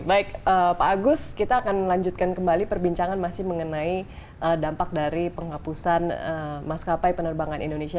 baik pak agus kita akan lanjutkan kembali perbincangan masih mengenai dampak dari penghapusan maskapai penerbangan indonesia